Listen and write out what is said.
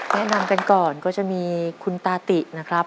แนะนำกันก่อนก็จะมีคุณตาตินะครับ